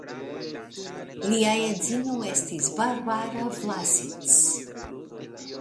Lia edzino estis Barbara Vlasits.